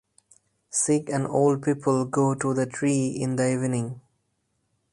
Sick and old people go to the tree in the evening.